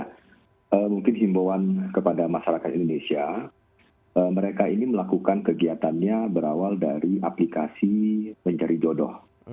nah mungkin himbauan kepada masyarakat indonesia mereka ini melakukan kegiatannya berawal dari aplikasi mencari jodoh